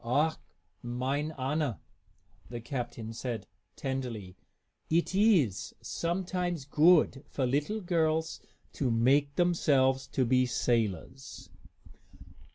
"Ach, mine Anna," the captain said, tenderly, "it iss sometimes goodt for little girls to make themselves to be sailors!"